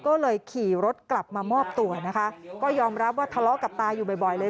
ก็เลยขี่รถกลับมามอบตัวนะคะก็ยอมรับว่าทะเลาะกับตาอยู่บ่อยเลย